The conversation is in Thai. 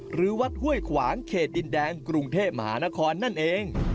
หรือวัดห้วยขวางเขตดินแดงกรุงเทพมหานครนั่นเอง